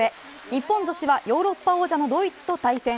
日本女子はヨーロッパ王者のドイツと対戦。